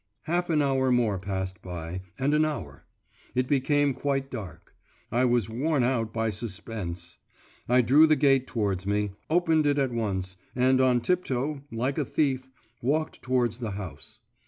Half an hour more passed by, and an hour; it became quite dark. I was worn out by suspense; I drew the gate towards me, opened it at once, and on tiptoe, like a thief, walked towards the house.